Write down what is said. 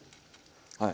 はい。